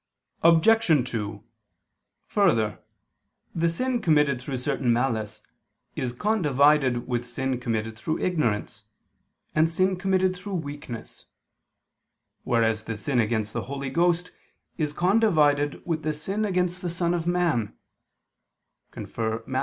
Obj. 2: Further, the sin committed through certain malice is condivided with sin committed through ignorance, and sin committed through weakness: whereas the sin against the Holy Ghost is condivided with the sin against the Son of Man (Matt.